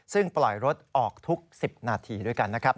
ซึ่งปล่อยรถออกทุก๑๐นาทีด้วยกันนะครับ